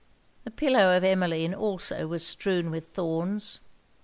The pillow of Emmeline also was strewn with thorns.